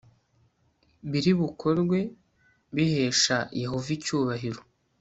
biri bukorwe bihesha Yehova icyubahiro